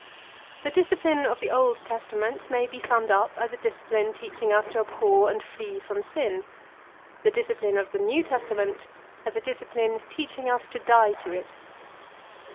The discipline of the Old Testament may be summed up as a discipline teaching us to abhor and flee from sin; the discipline of the New Testament, as a discipline teaching us to die to it.